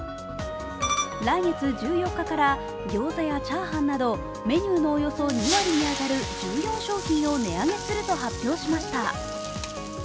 来月１４日からギョーザやチャーハンなどメニューのおよそ２割に当たる１４商品を値上げすると発表しました。